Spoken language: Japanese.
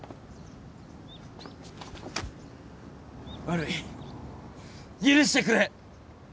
悪い許してくれ！